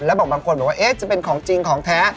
แล้วบอกบางคนบอกว่าจะเป็นของจริงของแท้